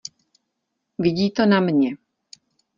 Vidí to na mně.